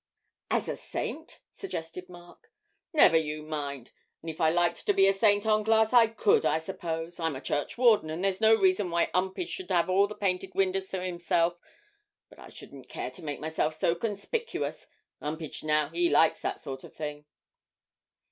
'As a saint?' suggested Mark. 'Never you mind. If I liked to be a saint on glass I could, I suppose I'm a churchwarden, and there's no reason why 'Umpage should 'ave all the painted winders to himself; but I shouldn't care to make myself so conspicuous. 'Umpage, now, he likes that sort of thing.'